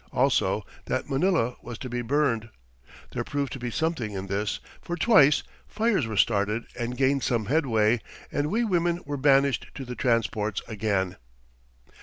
Also, that Manila was to be burned. There proved to be something in this, for twice fires were started and gained some headway, and we women were banished to the transports again."